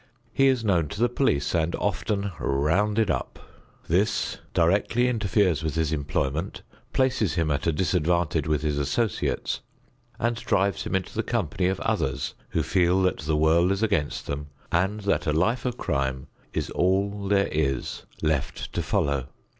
He is known to the police and often "rounded up." This directly interferes with his employment, places him at a disadvantage with his associates, and drives him into the company of others who feel that the world is against them and that a life of crime is all there is left to follow.